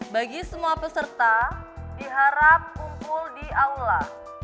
bagi semua peserta diharap kumpul di aula